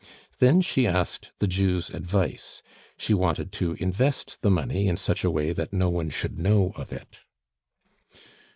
Then she asked the Jew's advice. She wanted to invest the money in such a way that no one should know of it.